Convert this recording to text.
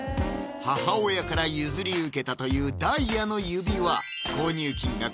母親から譲り受けたというダイヤの指輪購入金額